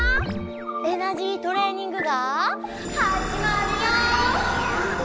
エナジートレーニングがはじまるよ！